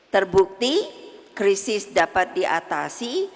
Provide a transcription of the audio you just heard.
terbukti krisis dapat diatasi